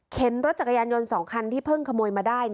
รถจักรยานยนต์๒คันที่เพิ่งขโมยมาได้